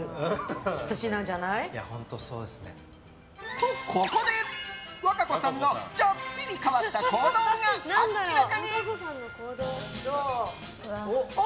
と、ここで和歌子さんのちょっぴり変わった行動が明らかに。